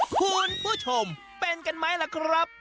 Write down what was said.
คุณผู้ชมเป็นกันไหมล่ะครับ